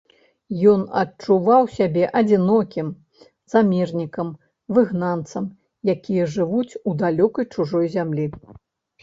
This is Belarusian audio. Ён адчуваў сябе адзінокім, замежнікам, выгнанцам, якія жывуць у далёкай чужой зямлі.